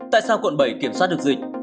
tại sao quận bảy kiểm soát được dịch